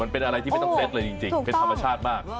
เป็นอะไรที่ไม่ต้องเซ็ตเลยจริงเป็นธรรมชาติมาก